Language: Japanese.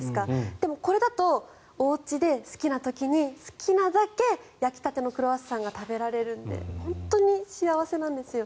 でも、これだとおうちで好きな時に好きなだけ焼きたてのクロワッサンが食べられるので本当に幸せなんですよ。